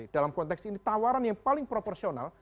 dalam konteks ini tawaran yang paling proporsional